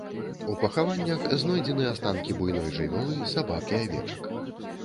У пахаваннях знойдзены астанкі буйной жывёлы, сабак і авечак.